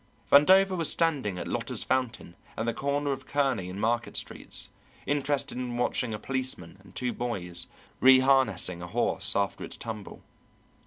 Vandover was standing at Lotta's fountain at the corner of Kearney and Market streets, interested in watching a policeman and two boys reharnessing a horse after its tumble.